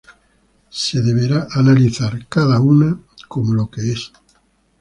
Cada una deberá ser analizada como lo que es.